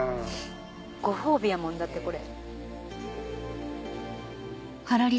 ご褒美やもんだってこれ。